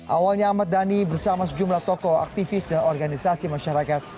awalnya ahmad dhani bersama sejumlah tokoh aktivis dan organisasi masyarakat